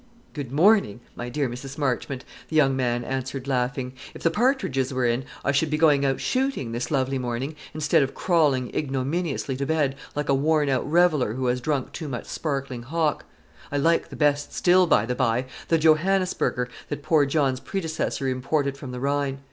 "Good morning, my dear Mrs. Marchmont," the young man answered, laughing. "If the partridges were in, I should be going out shooting, this lovely morning, instead of crawling ignominiously to bed, like a worn out reveller who has drunk too much sparkling hock. I like the still best, by the bye, the Johannisberger, that poor John's predecessor imported from the Rhine.